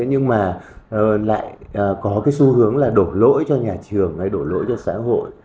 nhưng mà lại có cái xu hướng là đổ lỗi cho nhà trường hay đổ lỗi cho xã hội